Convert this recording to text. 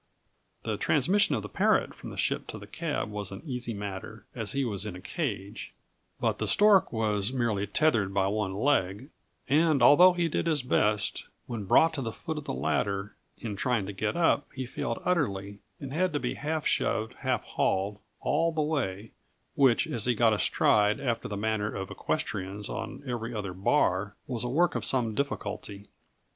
The transmission of the parrot from the ship to the cab was an easy matter, as he was in a cage, but the stork was merely tethered by one leg; and although he did his best, when brought to the foot of the ladder, in trying to get up, he failed utterly, and had to be half shoved, half hauled, all the way which, as he got astride, after the manner of equestrians, on every other bar, was a work of some difficulty.